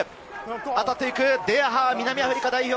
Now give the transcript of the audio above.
当たっていくデヤハー、南アフリカ代表。